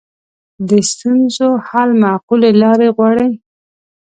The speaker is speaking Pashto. د ستونزو حل معقولې لارې غواړي